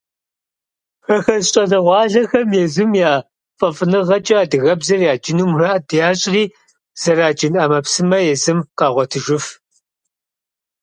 Хэхэс щӏалэгъуалэхэм езым я фӏэфӏыныгъэкӏэ адыгэбзэр яджыну мурад ящӏри, зэраджын ӏэмэпсымэ езым къагъуэтыжыф.